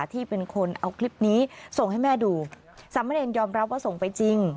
ที่เป็นคนเอาคลิปนี้ส่งให้แม่ดูสามเณรยอมรับว่าส่งไปจริง